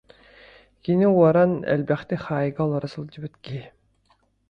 Кини уоран элбэхтик хаайыыга олоро сылдьыбыт киһи